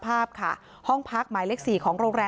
ไม่ตั้งใจครับ